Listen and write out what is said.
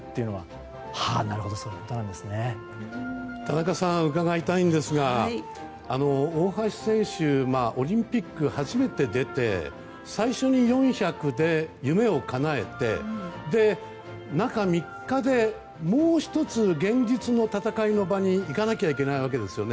田中さんうかがいたいんですが大橋選手オリンピック初めて出て最初に４００で夢をかなえて中３日でもう１つ、現実の戦いの場に行かなきゃいけないわけですよね。